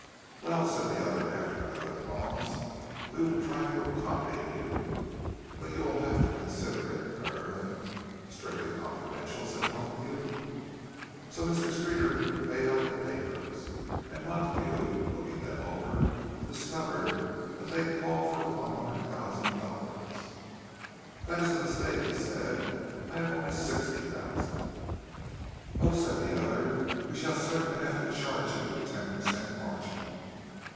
"Well," said the other, after another pause.—"we will try to accommodate you. But you will have to consider it—er—" "Strictly confidential," said Montague. So Mr. Streeter made out the papers, and Montague, looking them over, discovered that they called for one hundred thousand dollars. "That is a mistake," he said. "I have only sixty thousand." "Oh," said the other, "we shall certainly have to charge you a ten per cent, margin."